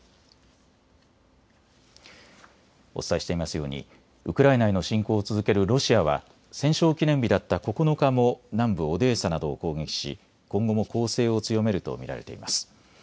お伝えしていますようにウクライナへの侵攻を続けるロシアは戦勝記念日だった９日も南部オデーサなどを攻撃し今後も攻勢を強めると見られています。